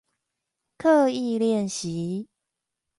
刻意練習